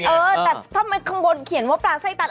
เออแต่ทำไมข้างบนเขียนว่าปลาไส้ตัน